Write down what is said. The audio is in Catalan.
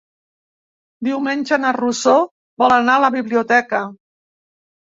Diumenge na Rosó vol anar a la biblioteca.